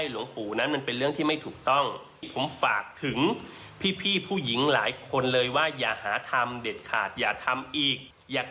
และทั้งอาพาทด้วยนะฮะ